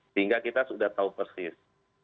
sehingga kita sudah tahu persis